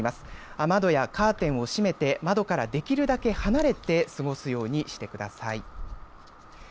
雨戸やカーテンを閉めて窓からできるだけ離れて過ごすようにしてください。